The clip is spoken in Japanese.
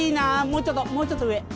もうちょっともうちょっと上。